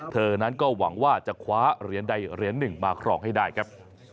เธอนั้นก็หวังว่าจะคว้าเหรียญใดเหรียญหนึ่งมาครองให้ได้ครับ